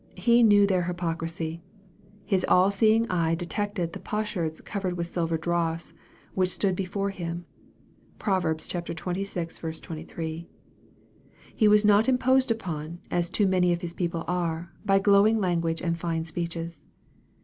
He " knew their hypocrisy." His all seeing eye detected the " potsherds covered with silver dross" which stood before Him. (Prov. xxvi. 23.) He was not imposed upon, as too many of His people are, by glowing language and fine speeches.